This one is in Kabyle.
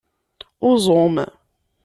Uẓum.